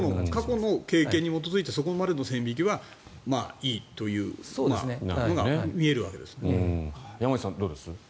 過去の経験に基づいてそこまでの線引きはいいというのが見えるわけですね。